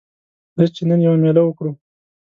ځه چې نن یوه میله وکړو